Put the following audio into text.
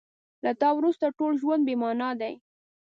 له تا وروسته ټول ژوند بې مانا دی.